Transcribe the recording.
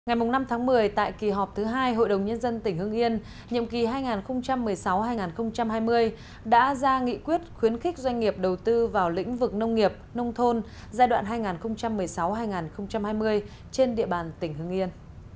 ngày năm tháng một mươi tại kỳ họp thứ hai hội đồng nhân dân tỉnh hương yên nhiệm kỳ hai nghìn một mươi sáu hai nghìn hai mươi đã ra nghị quyết khuyến khích doanh nghiệp đầu tư vào lĩnh vực nông nghiệp nông thôn giai đoạn hai nghìn một mươi sáu hai nghìn hai mươi trên địa bàn tỉnh hưng yên